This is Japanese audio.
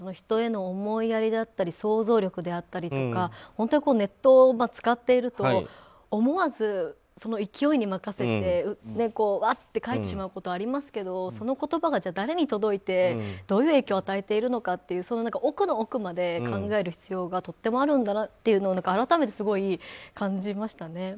人への思いやりだったり想像力だったりとかネットを使っていると思わず、勢いに任せてわって書いてしまうことはありますけどその言葉が誰に届いてどういう影響を与えているのかという奥の奥まで考える必要がとてもあるんだなと改めてすごい感じましたね。